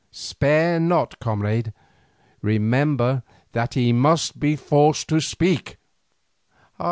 Spare not, comrade; remember that he must be forced to speak."